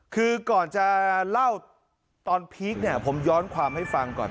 คือก่อนจะเล่าตอนพีคเนี่ยผมย้อนความให้ฟังก่อน